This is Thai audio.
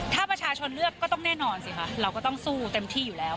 ถ้าประชาชนเลือกก็ต้องแน่นอนสิคะเราก็ต้องสู้เต็มที่อยู่แล้ว